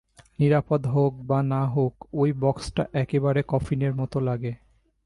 নিরাপদ হোক বা না হোক, ওই বক্সটা একেবারে কফিনের মতো লাগে।